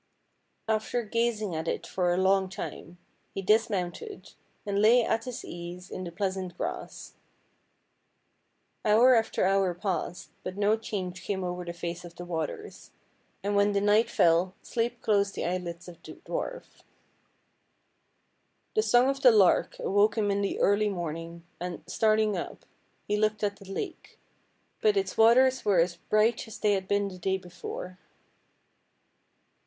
After gazing at it for a long time, he dis mounted, and lay at his ease in the pleasant grass. Hour after hour passed, but no change came over the face of the waters, and when the night fell sleep closed the eyelids of the dwarf. The song of the lark awoke him in the early morning, and, starting up, he looked at the lake, but its waters were as bright as they had been the day before.